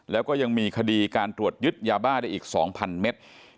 แล้วก็ยังมีคดีการตรวจยึดยาบ้าได้อีก๒๐๐เมตร